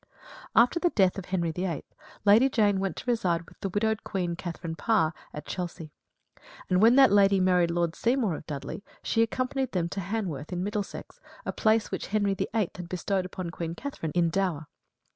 After the death of Henry VIII. Lady Jane went to reside with the widowed Queen, Katherine Parr, at Chelsea; and when that lady married Lord Seymour of Dudley, she accompanied them to Hanworth, in Middlesex, a palace which Henry VIII. had bestowed upon Queen Katherine in dower.